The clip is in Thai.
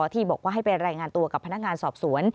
ที่บอกว่าให้ไปรายงานตัวกับพนักงานสอบสวน